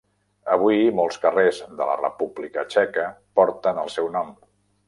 Avui, molts carrers de la República Txeca porten el seu nom.